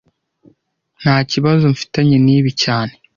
Ntakibazo mfitanye nibi cyane